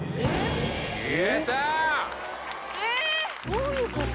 どういうこと？